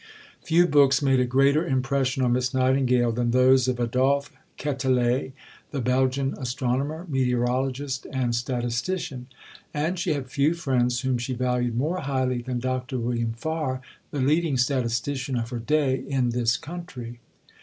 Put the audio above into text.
Few books made a greater impression on Miss Nightingale than those of Adolphe Quetelet, the Belgian astronomer, meteorologist, and statistician; and she had few friends whom she valued more highly than Dr. William Farr, the leading statistician of her day in this country.